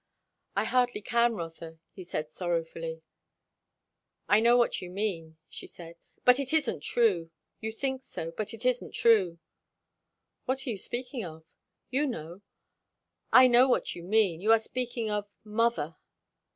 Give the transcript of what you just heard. "I hardly can, Rotha," he answered sorrowfully. "I know what you mean," she said, "but it isn't true. You think so, but it isn't true." "What are you speaking of?" "You know. I know what you mean; you are speaking of mother!"